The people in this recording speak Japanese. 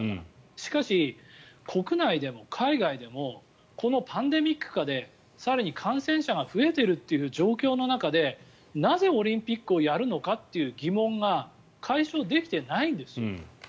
しかし、国内でも海外でもこのパンデミック下で更に感染者が増えているという状況の中でなぜオリンピックをやるのかという疑問が解消できてないんです。